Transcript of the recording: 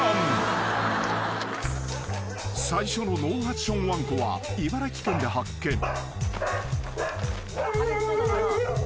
［最初のノーファッションわんこは茨城県で発見］